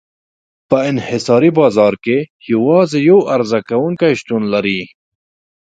په انحصاري بازار کې یوازې یو عرضه کوونکی شتون لري.